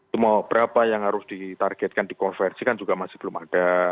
semua berapa yang harus ditargetkan dikonversi kan juga masih belum ada